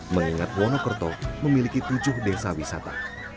mengingat wonokerto memiliki tujuh desa wisata